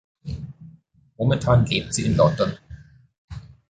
Momentan lebt sie in London.